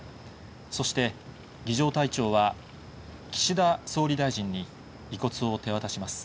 そして儀じょう隊長は岸田総理大臣に遺骨を手渡します。